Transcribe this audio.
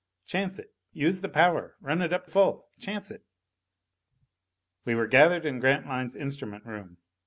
Chance it! Use the power run it up full. Chance it!" We were gathered in Grantline's instrument room.